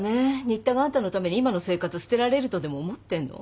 新田があんたのために今の生活捨てられるとでも思ってんの？